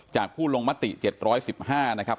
ผู้ลงมติ๗๑๕นะครับ